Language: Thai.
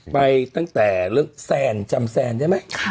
ไปตั้งแต่เรื่องแซนจำแซนได้ไหม